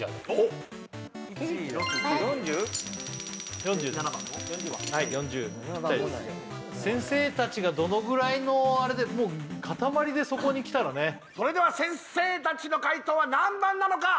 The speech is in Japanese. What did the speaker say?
４０ですはい４０ピッタリです先生たちがどのぐらいのあれでもうかたまりでそこに来たらねそれでは先生たちの解答は何番なのか？